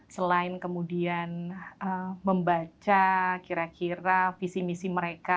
selain kemudian membaca kira kira visi misi mereka